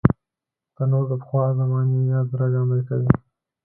تنور د پخوا زمانې یاد راژوندي کوي